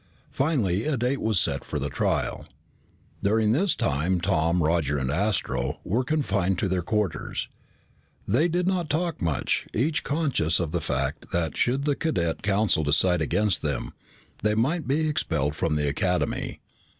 Finally a date was set for the trial. During this time, Tom, Roger, and Astro were confined to their quarters. They did not talk much, each conscious of the fact that should the Cadet Council decide against them, they might be expelled from the Academy.